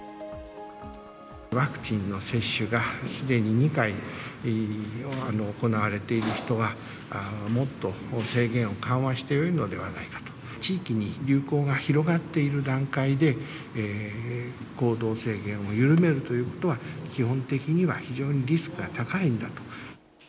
ワクチンの接種がすでに２回行われている人は、もっと制限を緩和してよいのではないかと、地域に流行が広がっている段階で、行動制限を緩めるということは、基本的には非常にリスクが高いんだと。